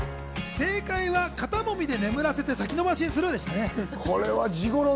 正解は、肩もみで眠らせて、先延ばしするですね。